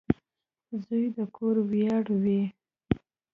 • زوی د کور ویاړ وي.